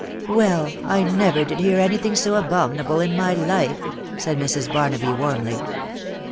" Well, I never did hear any thing so abominable in my life !" said Mrs. Barnaby warmly.